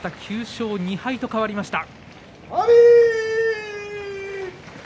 ９勝２敗と変わりました。